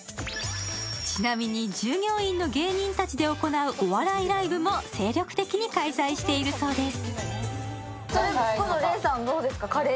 ちなみに、従業員の芸人たちで行う、お笑いライブも、精力的に開催しているそうです。